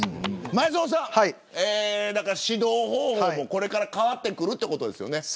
前園さん、指導方法もこれから変わってくるということですよね。